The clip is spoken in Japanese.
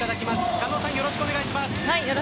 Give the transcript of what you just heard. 狩野さん、よろしくお願いします。